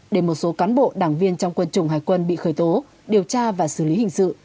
để một số cán bộ đảng viên trong quân chủng hải quân bị khởi tố điều tra và xử lý hình sự